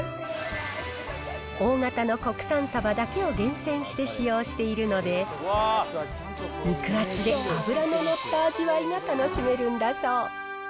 大型の国産サバだけを厳選して使用しているので、肉厚で脂の乗った味わいが楽しめるんだそう。